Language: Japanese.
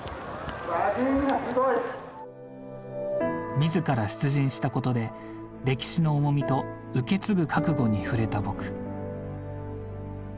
自ら出陣したことで歴史の重みと受け継ぐ覚悟に触れた僕。